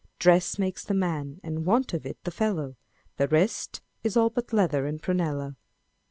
Dress makes the man, and want of it the fellow : The rest is all but leather and prunella.